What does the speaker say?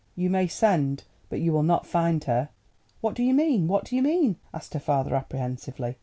"You may send, but you will not find her." "What do you mean?—what do you mean?" asked her father apprehensively.